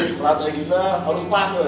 si strategi kita harus pas boy